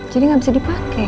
jadi gak bisa dipakai